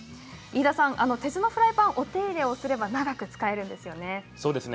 鉄のフライパンのお手入れをすれば長く使えるんですよね。